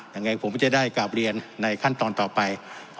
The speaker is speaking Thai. ยังไงผมก็จะได้กราบเรียนในขั้นตอนต่อไป